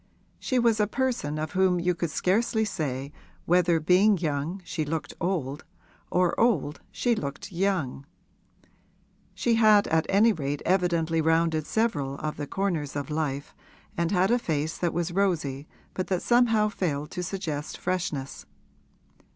She was a person of whom you could scarcely say whether being young she looked old or old she looked young; she had at any rate evidently rounded several of the corners of life and had a face that was rosy but that somehow failed to suggest freshness.